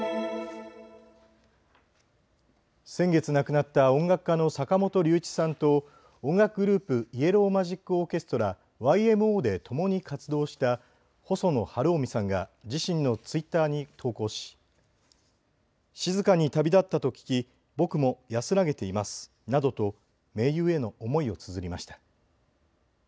先月亡くなった音楽家の坂本龍一さんと音楽グループ、イエロー・マジック・オーケストラ・ＹＭＯでともに活動した細野晴臣さんが自身のツイッターに投稿し静かに旅立ったと聞き僕も安らげていますなどと盟友への思いをつづりました。